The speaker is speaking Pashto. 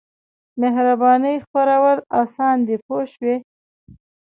مهربانۍ خپرول اسان دي پوه شوې!.